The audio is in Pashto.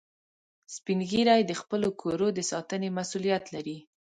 سپین ږیری د خپلو کورو د ساتنې مسؤولیت لري